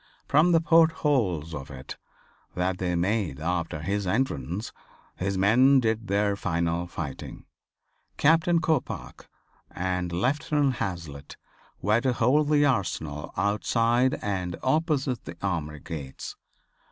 From the portholes of it that they made after his entrance, his men did their final fighting. Captain Coppoc and Lieutenant Hazlitt were to hold the Arsenal outside and opposite the Armory gates.